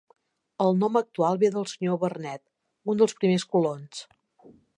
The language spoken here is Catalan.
El nom actual ve del senyor Barnet, un dels primers colons.